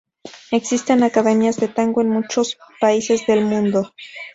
Existen academias de tango en muchos países del mundo.